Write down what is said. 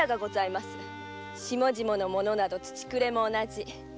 下々の者など土くれも同じ。